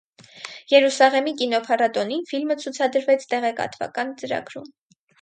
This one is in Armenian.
Երուսաղեմի կինոփառատոնին ֆիլմը ցուցադրվեց տեղեկատվական ծրագրում։